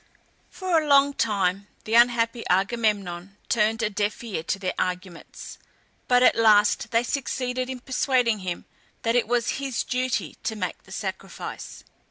For a long time the unhappy Agamemnon turned a deaf ear to their arguments, but at last they succeeded in persuading him that it was his duty to make the sacrifice.